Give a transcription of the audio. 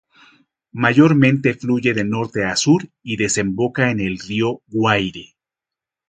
Mayormente fluye de norte a sur y desemboca en el río Guaire.